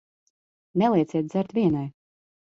Nelieciet dzert vienai.